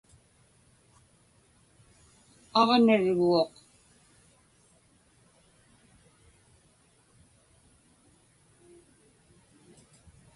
aġnarguuq